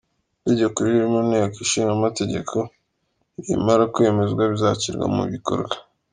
Itegeko riri mu Nteko Ishinga Amategeko, nirimara kwemezwa bizashyirwa mu bikorwa.